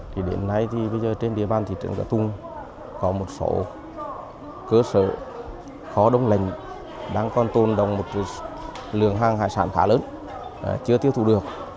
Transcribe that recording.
thì đến nay trên địa bàn thị trường cà tung có một số cơ sở khó đông lạnh đang còn tôn đồng một lượng hàng hải sản khá lớn chưa tiêu thụ được